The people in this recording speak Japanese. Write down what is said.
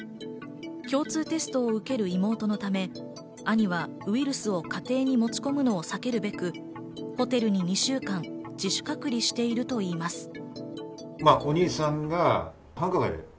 共通テストを受ける妹のため兄はウイルスを家庭に持ち込むのを避けるべくホテルに２週間、自主隔離しているといいます。